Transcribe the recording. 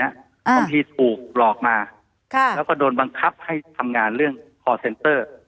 บางทีถูกหลอกมาแล้วก็โดนบังคับให้ทำงานเรื่องคอร์เซนเตอร์